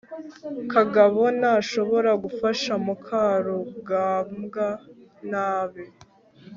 kagabo ntashobora gufasha mukarugambwa nabi